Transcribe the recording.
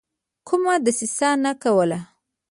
کومه دسیسه نه کوله.